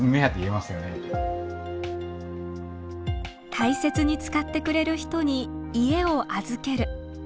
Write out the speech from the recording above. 大切に使ってくれる人に家を預ける。